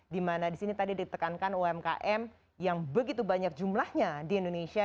di mana di sini tadi ditekankan umkm yang begitu banyak jumlahnya di indonesia